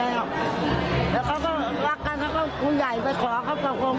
แล้วเขาก็รักกันแล้วก็คุณใหญ่ไปขอเขาประคม